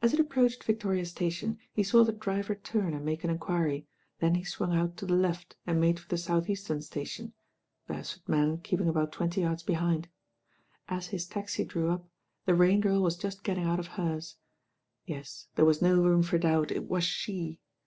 As it approached Victoria Station he saw the driver turn and make an enquiry, then he swung out to the left and made for the South Eastem Station, Beresford's man keeping about twenty yards be hind. As his taxi drew up, the Rain Girl was just getting out of hers. Yes, there was no room for doubt, it was she.